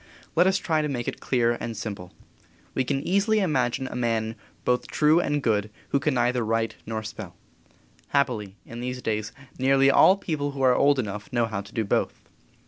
Let us try to make it clear and simple. We can easily imagine a man both true and good who can neither write nor spell. Happily, in these days, nearly all people who are old enough know how to do both.